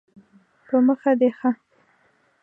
په مخه دې ښه